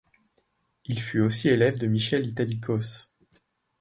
Il fut aussi élève de Michel Italikos.